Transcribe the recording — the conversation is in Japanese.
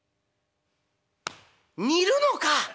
「『似る』のか！